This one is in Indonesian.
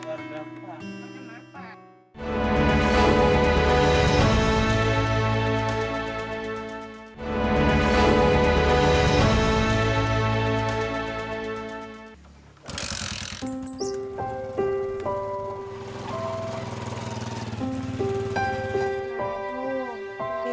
saya tidak tahu